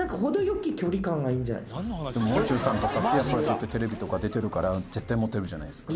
でももう中さんとかってそうやってテレビとか出てるから絶対モテるじゃないですか。